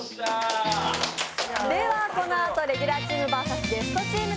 ではこのあとレギュラーチームｖｓゲストチーム